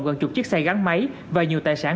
gần chục chiếc xe gắn máy và nhiều tài sản